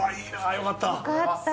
よかった。